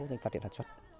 để phát triển hạt xuất